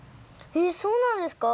えっそうなんですか。